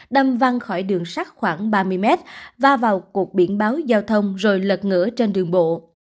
đâm văng khỏi đường sát khoảng ba mươi m và vào cuộc biển báo giao thông rồi lật ngửa trên đường bộ